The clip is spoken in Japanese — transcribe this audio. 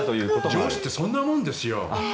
上司ってそんなもんですよ